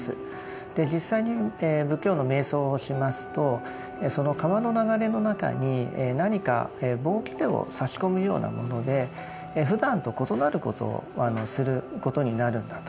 実際に仏教の瞑想をしますとその川の流れの中に何か棒きれをさし込むようなものでふだんと異なることをすることになるんだと。